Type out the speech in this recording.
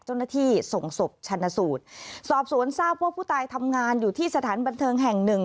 เจ้าหน้าที่ส่งศพชันสูตรสอบสวนทราบว่าผู้ตายทำงานอยู่ที่สถานบันเทิงแห่งหนึ่ง